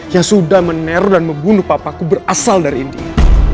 yang sudah meneru dan membunuh keyboard paku berasal dari india